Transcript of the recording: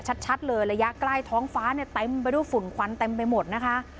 ชัดเลยระยะใกล้ท้องฟ้าเนี่ยเต็มไปด้วยฝุ่นควันเต็มไปหมดนะคะ